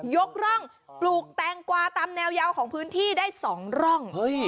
ยกร่องปลูกแตงกวาตามแนวยาวของพื้นที่ได้๒ร่อง